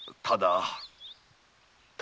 ただ？